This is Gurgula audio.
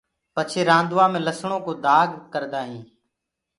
ڀآڃي رآندوآ مي لسڻو ڪو دآگ ڪردآ هينٚ۔